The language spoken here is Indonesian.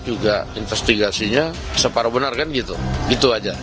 juga investigasinya separuh benar kan gitu itu aja